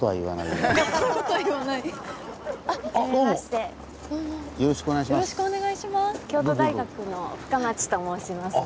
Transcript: よろしくお願いします。